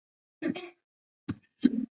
亚利桑那州大部分地区不使用夏令时。